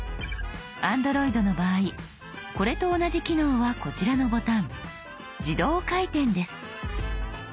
Ａｎｄｒｏｉｄの場合これと同じ機能はこちらのボタン「自動回転」です。